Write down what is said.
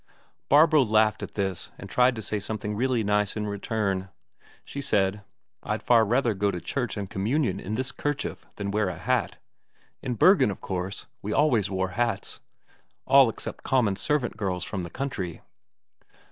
Barbro laughed at this and tried to say something really nice in return; she said: "I'd far rather go to church and communion in this kerchief than wear a hat. In Bergen, of course, we always wore hats all except common servant girls from the country."